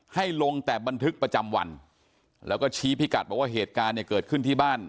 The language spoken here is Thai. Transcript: ให้ลงแต่บันทึกประจำวันแล้วก็ชี้พิกัดบอกว่าเหตุการณ์เนี่ยเกิดขึ้นที่บ้าน